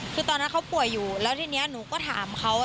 คือตอนนั้นเขาป่วยอยู่แล้วทีนี้หนูก็ถามเขา